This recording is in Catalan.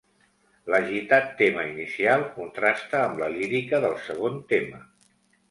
L'agitat tema inicial contrasta amb la lírica del segon tema.